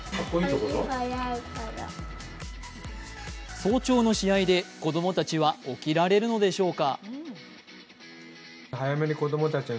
早朝の試合で子供たちは起きられるのでしょうか。